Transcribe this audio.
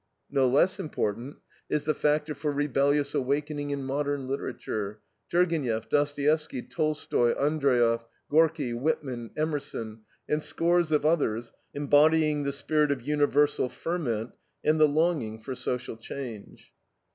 No less important is the factor for rebellious awakening in modern literature Turgeniev, Dostoyevsky, Tolstoy, Andreiev, Gorki, Whitman, Emerson, and scores of others embodying the spirit of universal ferment and the longing for social change.